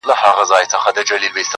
خزان له پېغلو پېزوانونو سره لوبي کوي-